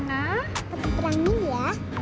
terima kasih ya